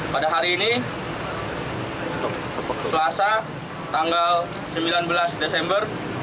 pada hari ini selasa tanggal sembilan belas desember